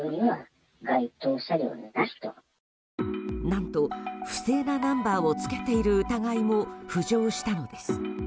何と不正なナンバーをつけている疑いも浮上したのです。